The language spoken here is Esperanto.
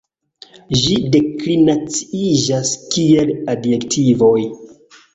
Ĝi deklinaciiĝas kiel adjektivoj.